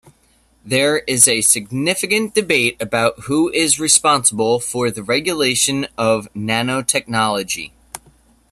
There is significant debate about who is responsible for the regulation of nanotechnology.